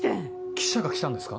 記者が来たんですか？